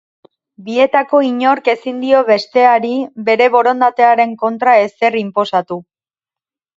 Bietako inork ezin dio besteari bere borondatearen kontra ezer inposatu.